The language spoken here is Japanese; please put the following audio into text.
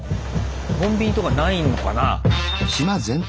コンビニとかないのかな？